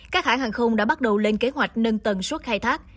các hãng hàng không đã bắt đầu lên kế hoạch nâng tần suất khai thác